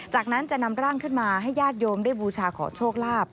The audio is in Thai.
จากนั้นจะนำร่างขึ้นมาให้ญาติโยมได้บูชาขอโชคลาภ